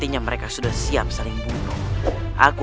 ku akan kasih permintaan agama